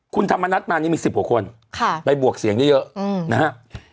คุณธรรมนัฐมานี่มี๑๐กว่าคนไปบวกเสียงเยอะนะฮะ